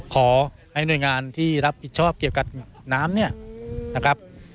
ขอให้หน่วยงานที่รับผิดชอบเกี่ยวกับน้ำ